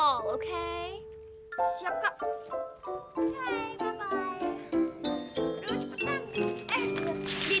eh gini juga dong ambil ambil